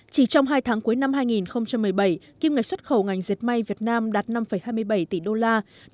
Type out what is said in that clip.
chỉ trong hai tháng cuối năm hai nghìn một mươi bảy kim ngạch xuất khẩu ngành diệt may việt nam đạt năm hai mươi bảy tỷ đô la